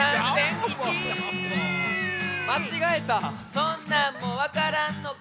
そんなんもわからんのか！